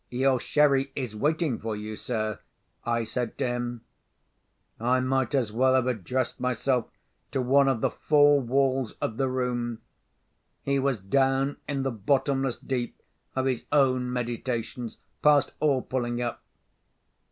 "Your sherry is waiting for you, sir," I said to him. I might as well have addressed myself to one of the four walls of the room; he was down in the bottomless deep of his own meditations, past all pulling up.